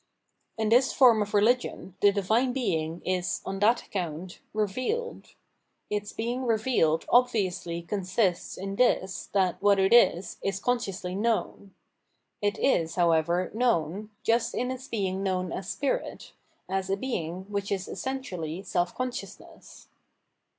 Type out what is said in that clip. In this form of rehgion the Divine Being is, on that account, revealed. Its being revealed obviously consists in this, that what it is, is consciously known. It is, however, known just in its being known as spirit, as a Being which is essentially self consciousness.